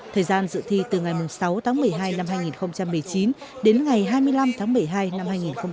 thời gian dự thi từ ngày sáu tháng một mươi hai năm hai nghìn một mươi chín đến ngày hai mươi năm tháng một mươi hai năm hai nghìn hai mươi